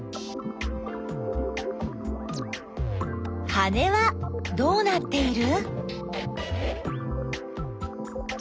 羽はどうなっている？